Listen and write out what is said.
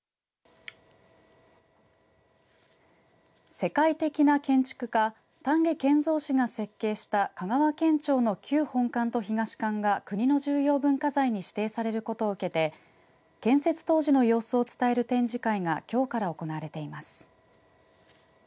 世界的な建築家丹下健三氏が設計した香川県庁の旧本館と東館が国の重要文化財に指定されることを受けて建設当時の様子を伝える展示会がきょうから行われています。